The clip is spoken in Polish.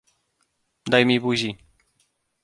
"daj mi buzi!"